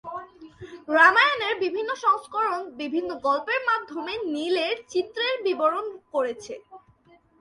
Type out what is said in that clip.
রামায়ণের বিভিন্ন সংস্করণ বিভিন্ন গল্পের মাধ্যমে নীলের চরিত্রের বিবরণ করেছে।